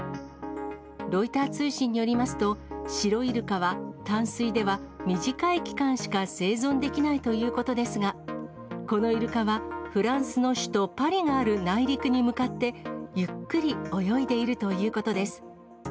ロイター通信によりますと、シロイルカは淡水では短い期間しか生存できないということですが、このイルカは、フランスの首都パリがある内陸に向かって、ゆっくり泳いでいるということです。